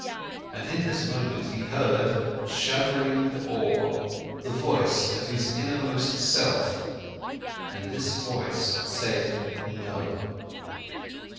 And in this moment he heard, shuddering with awe, the voice of his innermost self, and this voice said No.